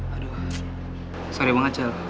aduh sorry bang acel